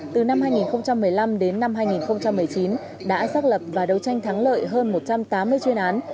từ năm hai nghìn một mươi năm đến năm hai nghìn một mươi chín đã xác lập và đấu tranh thắng lợi hơn một trăm tám mươi chuyên án